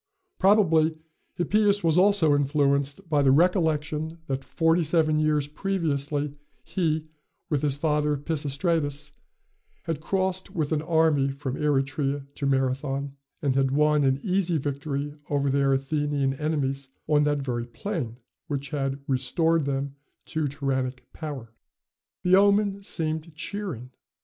Probably Hippias was also influenced by the recollection that forty seven years previously, he, with his father Pisistratus, had crossed with an army from Eretria to Marathon, and had won an easy victory over their Athenian enemies on that very plain, which had restored them to tyrannic power. The omen seemed cheering.